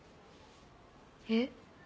えっ？